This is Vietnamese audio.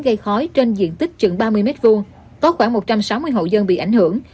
gây khói trên diện tích chừng ba mươi m hai có khoảng một trăm sáu mươi hộ dân bị ảnh hưởng